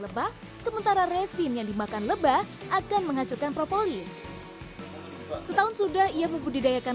lebah sementara resin yang dimakan lebah akan menghasilkan propolis setahun sudah ia membudidayakan